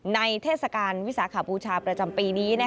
เทศกาลวิสาขบูชาประจำปีนี้